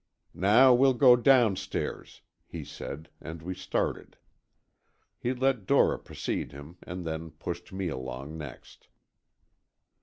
"Now, we'll go downstairs," he said, and we started. He let Dora precede and then pushed me along next.